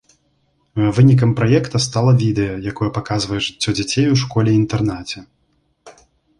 Вынікам праекта стала відэа, якое паказвае жыццё дзяцей у школе-інтэрнаце.